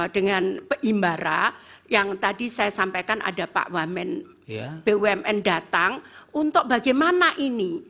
dengan imbara yang tadi saya sampaikan ada pak wamen bumn datang untuk bagaimana ini